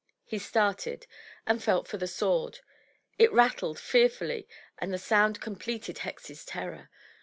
He started, and felt for the sword. It rattled fearfully, and the sound completed Hexie's terror.